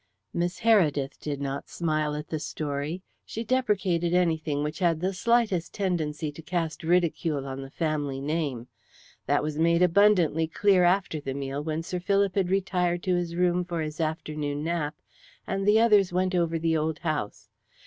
Miss Heredith did not smile at the story. She deprecated anything which had the slightest tendency to cast ridicule on the family name. That was made abundantly clear after the meal, when Sir Philip had retired to his room for his afternoon nap, and the others went over the old house.